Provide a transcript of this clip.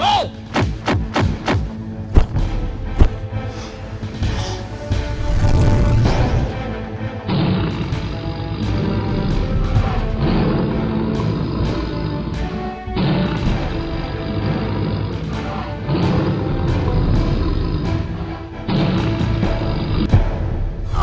datuk aku tak tahu